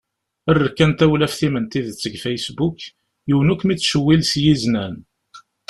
Err kan tawlaft-im n tidet deg Facebook, yiwen ur kem-ittcewwil s yiznan.